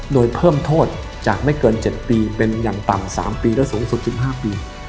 โดยเพิ่มโทษจากไม่เกิน๗ปีเป็นอย่างต่ำ๓ปีและสูงสุดถึง๕ปี